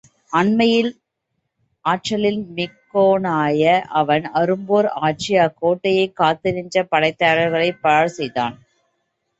ஆண்மையில், ஆற்றலில் மிக்கோனாய அவன், அரும்போர் ஆற்றி, அக் கோட்டையைக் காத்து நின்ற படைத் தலைவர்களைப் பாழ்செய்தான்.